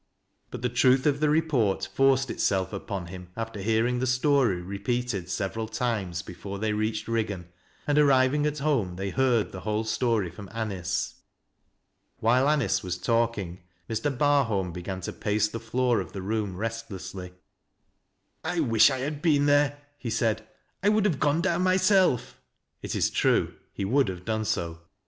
Kut the truth of the report forced itself upon him after hearing the story repeated several times before they reached Riggan, and arriving at home they heard the whole story from Anice. While Anice was talking, Mr. Barholm began to pace the floor of the room restlessly. "I wish I had been there," he said. "I would have gone down myself." (It is true : he would have done so.)